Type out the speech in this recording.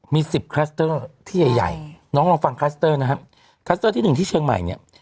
มี๑๐ครัสเตอร์ที่ใหญ่